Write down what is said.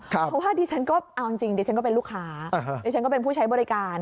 เพราะว่าดิฉันก็เอาจริงดิฉันก็เป็นลูกค้าดิฉันก็เป็นผู้ใช้บริการ